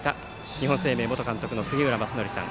日本生命元監督の杉浦正則さん。